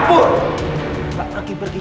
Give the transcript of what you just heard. itu ada bapak nih minggu